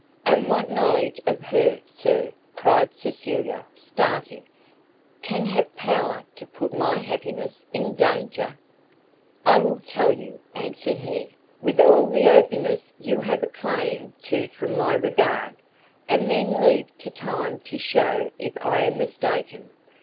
"And what knowledge of her, Sir," cried Cecilia, starting, "can have power to put my happiness in any danger?" "I will tell you," answered he, "with all the openness you have a claim to from my regard, and then leave to time to shew if I am mistaken.